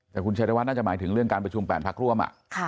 แต่คุณชัยธวัฒนน่าจะหมายถึงเรื่องการประชุม๘พักร่วม